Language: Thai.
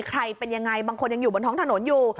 ใครเป็นยังไงบางคนยังอยู่บนท้องถนนอยู่